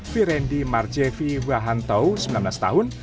firendi marjevi wahantou sembilan belas tahun